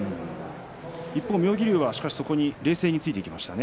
一方妙義龍は冷静についていきましたね。